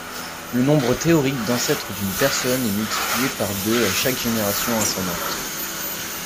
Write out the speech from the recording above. Le nombre théorique d'ancêtres d'une personne est multiplié par deux à chaque génération ascendante.